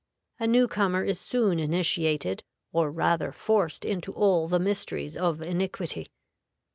A new comer is soon initiated, or rather forced into all the mysteries of iniquity.